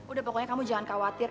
udah pokoknya kamu jangan khawatir